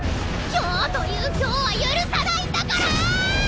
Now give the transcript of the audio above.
今日という今日は許さないんだから！